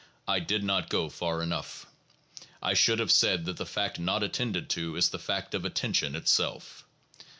I did not go far enough. I should have said that the fact not attended to is the fact of attention itself.